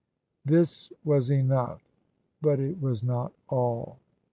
This was enough, but it was not all.